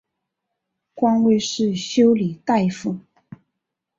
官位是修理大夫。